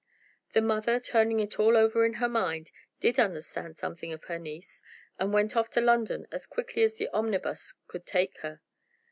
The mother, turning it all over in her mind, did understand something of her niece, and went off to London as quick as the omnibus could take her.